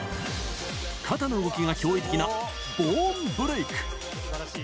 肩の動きが驚異的なボーンブレイク。